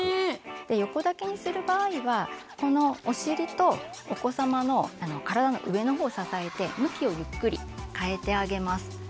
横抱きにする場合はこのお尻とお子様の体の上の方を支えて向きをゆっくり変えてあげます。